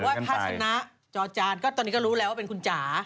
ที่แบบว่าภาษณะจอจานก็ตอนนี้ก็รู้แล้วว่าเป็นคุณจ๋า